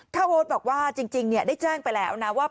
ถ้าโอ๊ตบอกว่าจริงได้แจ้งไปแล้วนะว่า